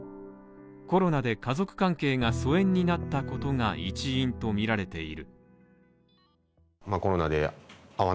コロナで家族関係が疎遠になったことが一因とみられている。